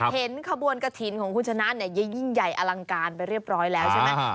เห็นขบวนกระถิ่นของคุณชนะเนี่ยยิ่งใหญ่อลังการไปเรียบร้อยแล้วใช่ไหม